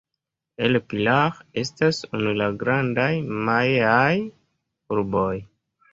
El Pilar estas unu el la grandaj majaaj urboj.